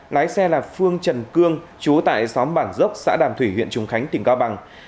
lái xe là phương trần cương chú tại xóm bản dốc xã đàm thủy huyện trùng khánh tỉnh cao bằng